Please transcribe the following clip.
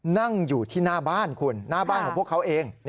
นั่งอยู่ที่หน้าบ้านคุณหน้าบ้านของพวกเขาเอง